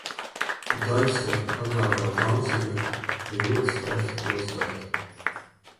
Gdaņska, agrāka Danciga, ir ļoti skaista pilsēta.